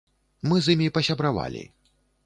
Мы з імі пасябравалі.